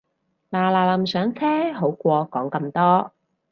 嗱嗱臨上車好過講咁多